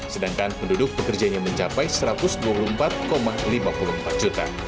sedangkan penduduk pekerjanya mencapai satu ratus dua puluh empat lima puluh empat juta